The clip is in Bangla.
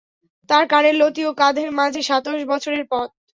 তার কানের লতি ও কাঁধের মাঝে সাতশ বছরের পথ।